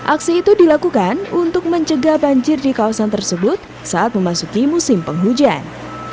aksi itu dilakukan untuk mencegah banjir di kawasan tersebut saat memasuki musim penghujan